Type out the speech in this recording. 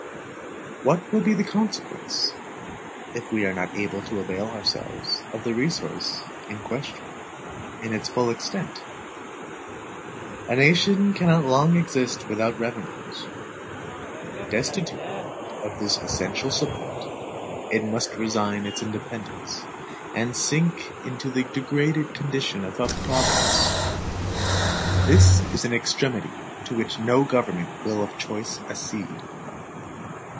What will be the consequence, if we are not able to avail ourselves of the resource in question in its full extent? A nation cannot long exist without revenues. Destitute of this essential support, it must resign its independence, and sink into the degraded condition of a province. This is an extremity to which no government will of choice accede.